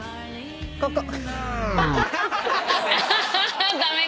ここ。